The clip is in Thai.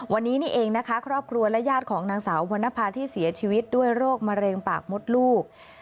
วันนี้นี่เองนะคะครอบครัวและญาติของนางสาววรรณภาที่เสียชีวิตด้วยโรคมะเร็งปากมดลูก